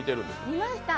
見ました！